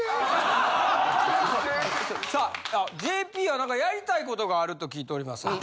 ＪＰは何かやりたいことがあると聞いておりますが。